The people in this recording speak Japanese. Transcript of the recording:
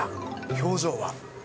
表情は？